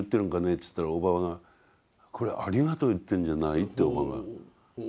っつったらおばがこれは「ありがとう言ってるんじゃない」って言ったんですよ。